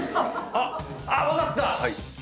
あっあっ分かった！